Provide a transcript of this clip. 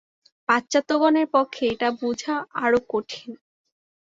পাশ্চাত্যগণের পক্ষে এটি বুঝা আরও কঠিন।